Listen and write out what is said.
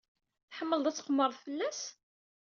Tḥemmled ad tqemmred fell-as?